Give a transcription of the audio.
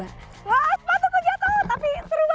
wah sepatu terjatuh tapi seru banget